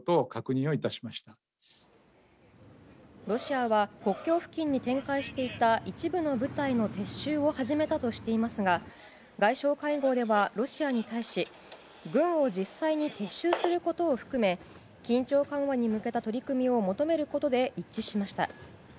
ロシアは国境付近に展開していた一部の部隊の撤収を始めたとしていますが外相会合ではロシアに対し軍を実際に撤収することを含め緊張緩和に向けた取り組みを求めることで一致しました。